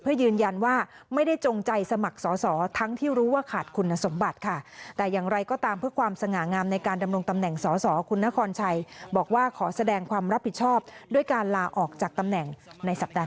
เพื่อยืนยันว่าไม่ได้จงใจสมัครสอบบัตร